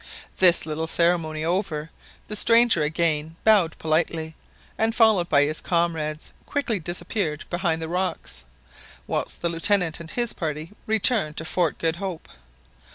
This little ceremony over, the stranger again bowed politely, and, followed by his comrades, quickly disappeared behind the rocks, whilst the Lieutenant and his party returned to Fort Good Hope.